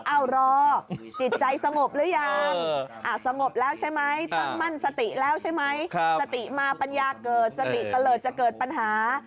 รอจิตใจสงบหรือยังสงบแล้วใช่ไหมตั้งมั่นสติแล้วใช่ไหมสติมาปัญญาเกิดสติเตลิศจะเกิดปัญหา